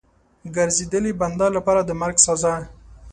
ګرځېدلي بنده لپاره د مرګ سزا.